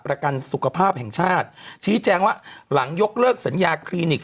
ประกันสุขภาพแห่งชาติชี้แจงว่าหลังยกเลิกสัญญาคลินิก